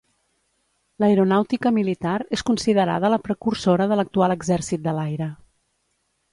L'Aeronàutica militar és considerada la precursora de l'actual Exèrcit de l'Aire.